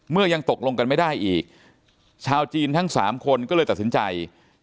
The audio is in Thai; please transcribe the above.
ยังตกลงกันไม่ได้อีกชาวจีนทั้ง๓คนก็เลยตัดสินใจ